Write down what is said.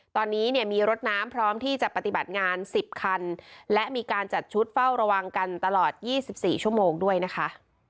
ตอนนี้เนี่ยมีรถน้ำพร้อมที่จะปฏิบัติงาน๑๐คันและมีการจัดชุดเฝ้าระวังกันตลอด๒๔ชั่วโมงด้วยนะคะ